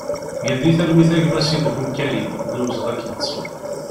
Gen di talwit a gma Sidhum Karim, d awezɣi ad k-nettu!